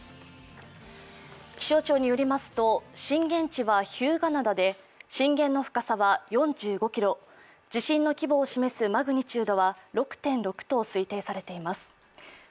気象庁によりますと、震源地は日向灘で震源の深さは４５キロ地震の規模を示すマグニチュードは６．６と推定されています。